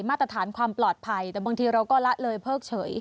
มาตรฐานความปลอดภัยแต่บางทีเราก็ละเลยเพิกเฉย